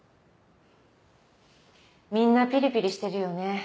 みんなピリピリしてるよね。